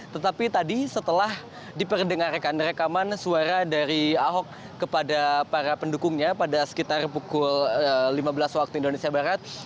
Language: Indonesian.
tetapi tadi setelah diperdengarkan rekaman suara dari ahok kepada para pendukungnya pada sekitar pukul lima belas waktu indonesia barat